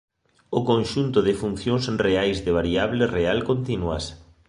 O conxunto de funcións reais de variable real continuas.